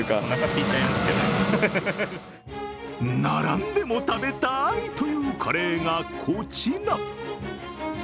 並んでも食べたいというカレーが、こちら。